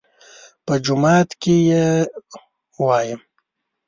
_په جومات کې يې وايم.